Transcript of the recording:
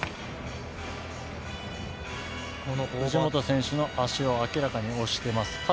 藤本選手の足を、明らかに押しています。